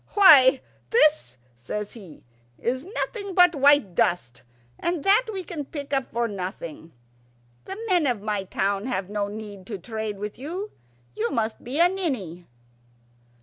"Why, this," says he, "is nothing but white dust, and that we can pick up for nothing. The men of my town have no need to trade with you. You must be a ninny."